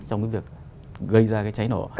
trong cái việc gây ra cái cháy nổ